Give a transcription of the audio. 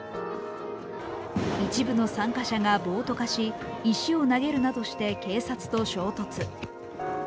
一部の参加者が暴徒化し、石を投げるなどして警察と衝突。